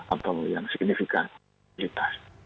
atau yang signifikan mobilitas